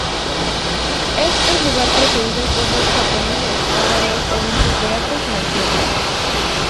Es el lugar preferido por los japoneses para los eventos de artes marciales.